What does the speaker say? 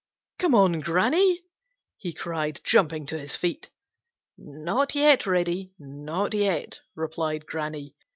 "Come on, Granny!" he cried, jumping to his feet. "Not yet, Reddy. Not yet," replied Granny.